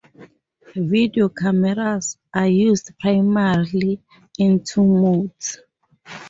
Video cameras are used primarily in two modes.